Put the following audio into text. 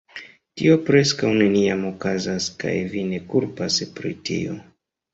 "Tio preskaŭ neniam okazas, kaj vi ne kulpas pri tio."